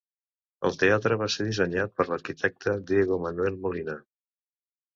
El teatre va ser dissenyat per l'arquitecte Diego Manuel Molina.